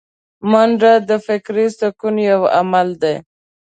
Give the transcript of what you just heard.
منډه د فکري سکون یو عمل دی